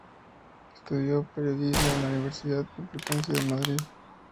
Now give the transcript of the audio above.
Estudió Periodismo en la Universidad Complutense de Madrid.